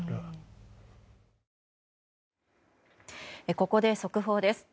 ここで速報です。